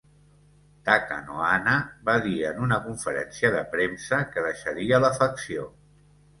Takanohana va dir en una conferència de premsa que deixaria la facció.